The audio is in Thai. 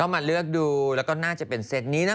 มาเลือกดูแล้วก็น่าจะเป็นเซตนี้นะ